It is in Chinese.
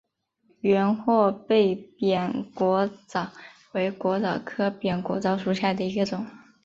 圆货贝扁裸藻为裸藻科扁裸藻属下的一个种。